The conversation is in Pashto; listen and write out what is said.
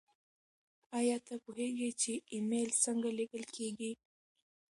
ایا ته پوهېږې چې ایمیل څنګه لیږل کیږي؟